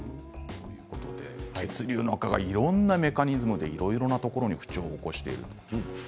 血流の悪化がいろいろなメカニズムでいろいろ不調を起こしている。